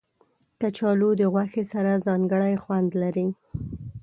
کچالو د غوښې سره ځانګړی خوند لري